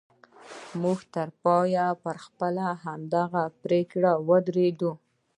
موږ تر پایه پر خپله دغه پرېکړه ودرېدو